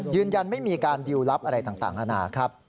ยืนยันไม่มีการดิวลลับอะไรต่างอาณาครับ